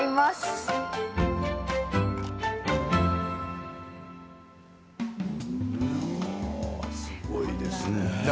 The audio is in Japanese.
すごいですね。